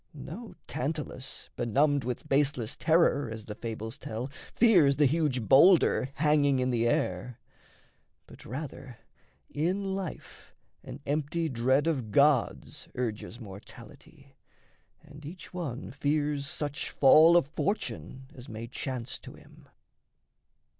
No Tantalus, benumbed With baseless terror, as the fables tell, Fears the huge boulder hanging in the air: But, rather, in life an empty dread of Gods Urges mortality, and each one fears Such fall of fortune as may chance to him.